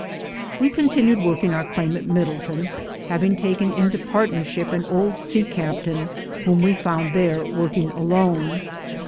We continued working our claim at Middletown, having taken into partnership an old sea captain whom we found there working alone.